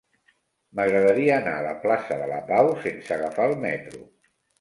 M'agradaria anar a la plaça de la Pau sense agafar el metro.